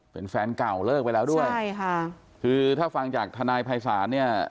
เป็นแฟนเก่าเลิกไปแล้วด้วยค่ะถ้าฟังจากท่านายภายศาสตร์เนี่ย